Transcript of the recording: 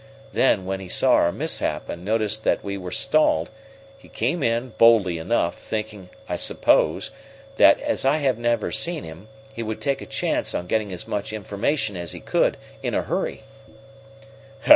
Then, when he saw our mishap and noticed that we were stalled, he came in, boldly enough, thinking, I suppose, that, as I had never seen him, he would take a chance on getting as much information as he could in a hurry."